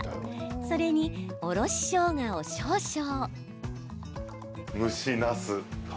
それに、おろししょうがを少々。